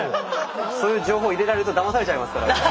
そういう情報入れられるとだまされちゃいますからね。